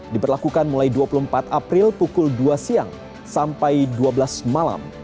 diberlakukan mulai dua puluh empat april pukul dua siang sampai dua belas malam